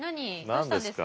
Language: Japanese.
どうしたんですか？